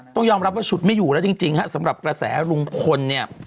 ต้องยอมรับว่าฉุดไม่อยู่แล้วจริงฮะสำหรับกระแสลุงพลเนี่ย